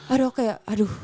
aduh kayak aduh